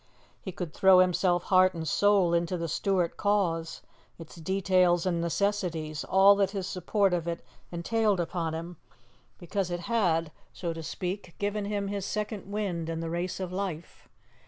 He could throw himself heart and soul into the Stuart cause, its details and necessities all that his support of it entailed upon him, because it had, so to speak, given him his second wind in the race of life.